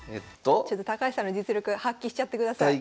ちょっと高橋さんの実力発揮しちゃってください。